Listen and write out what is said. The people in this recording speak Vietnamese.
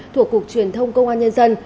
thuộc cục truyền thông công an nhân dân